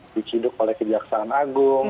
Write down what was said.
diciduk oleh kejaksaan agung